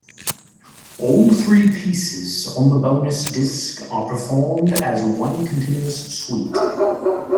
All three pieces on the bonus disc are performed as one continuous suite.